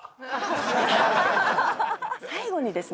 最後にですね